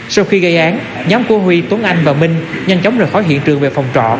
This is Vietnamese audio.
sau khi gây án nhóm của huy tuấn anh và minh nhanh chóng rời khỏi hiện trường về phòng trọ